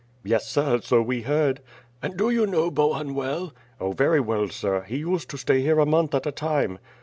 "Yes, sir, so we heard." "And do you know Bohun well?" "Oh, very well, sir; he used to stay here a month at a time."